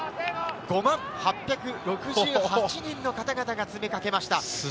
５万８６８人の方々が詰めかけました。